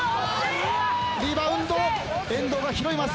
リバウンド遠藤が拾います。